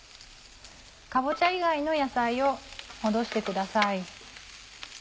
かぼちゃ以外の野菜を戻してください。